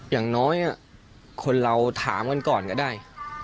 อย่างน้อยคนเราถามกันก่อนก็ได้